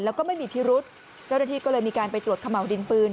แล้วก็ไม่มีพิรุษเจ้าหน้าที่ก็เลยมีการไปตรวจขม่าวดินปืน